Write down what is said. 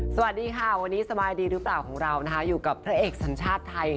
สวัสดีค่ะวันนี้สบายดีหรือเปล่าของเรานะคะอยู่กับพระเอกสัญชาติไทย